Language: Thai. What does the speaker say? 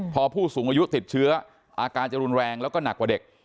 พอผู้สูงอายุติดเชื้ออาการจะรุนแรงแล้วก็หนักกว่าเด็ก